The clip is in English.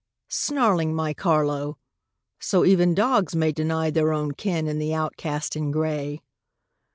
snarling, my Carlo! So even dogs may Deny their own kin in the outcast in gray.